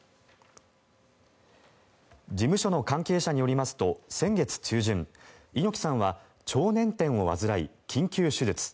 事務所の関係者によりますと先月中旬猪木さんは腸捻転を患い緊急手術。